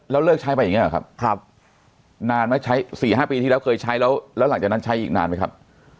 แล้วเลิกใช้ไปอย่างนี้หรอครับ๔๕ปีที่แล้วเคยใช้แล้วหลังจากนั้นใช้อีกนานไหมครับ